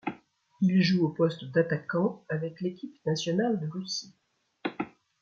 Il joue au poste d'attaquant avec l'équipe nationale de Russie.